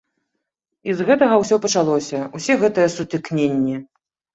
І з гэтага ўсё пачалося, усе гэтыя сутыкненні.